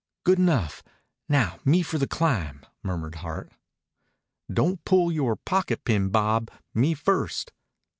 "Good enough. Now me for the climb," murmured Hart. "Don't pull yore picket pin, Bob. Me first."